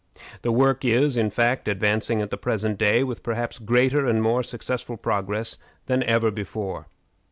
The work is, in fact, advancing at the present day with perhaps greater and more successful progress than ever before.